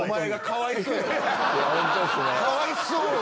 かわいそうやわ。